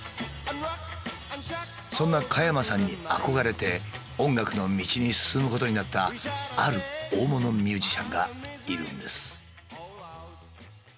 そんな加山さんに憧れて音楽の道に進むことになったある大物ミュージシャンがいるんです。